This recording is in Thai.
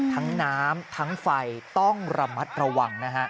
ทั้งน้ำทั้งไฟต้องระมัดระวังนะฮะ